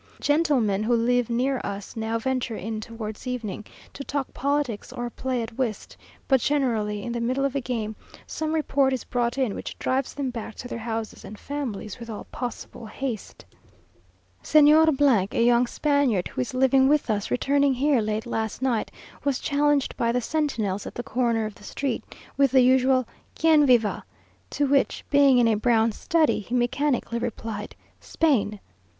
Gentlemen who live near us now venture in towards evening, to talk politics or play at whist; but generally, in the middle of a game, some report is brought in, which drives them back to their houses and families with all possible haste. Señor , a young Spaniard who is living with us, returning here late last night, was challenged by the sentinels at the corner of the street, with the usual "Quien viva?" to which, being in a brown study, he mechanically replied, "_Spain!